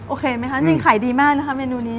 โอเคไหมคะมีไขดีมากนะค่ะเมนูนี้